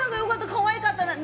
かわいかった。